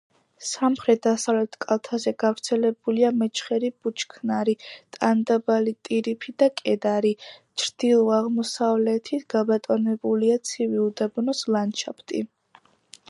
სამხრეთ-დასავლეთ კალთაზე გავრცელებულია მეჩხერი ბუჩქნარი, ტანდაბალი ტირიფი და კედარი; ჩრდილო-აღმოსავლეთით გაბატონებულია ცივი უდაბნოს ლანდშაფტი.